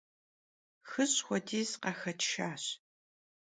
Xiş' xuediz khaxetşşaş.